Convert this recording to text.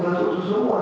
masuk ke semua